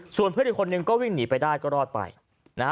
ส่วนเพื่อนอีกคนนึงก็วิ่งหนีไปได้ก็รอดไปนะฮะ